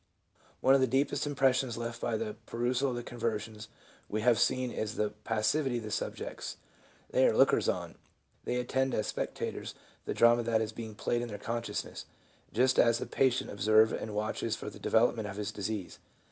One of the deepest impressions left by the perusal of the conversions we have seen, is the passivity of the subjects. They are lookers on ; they attend as spectators the drama that is being played in their consciousness, just as a patient observes and watches for the development of his disease.